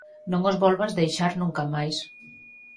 Non os volvas deixar nunca máis.